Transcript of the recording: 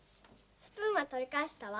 スプーンはとりかえしたわ。